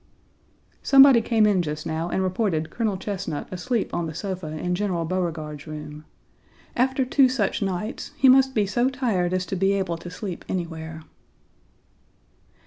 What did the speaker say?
Somebody came in just now and reported Colonel Chesnut asleep on the sofa in General Beauregard's room. After two such nights he must be so tired as to be able to sleep anywhere.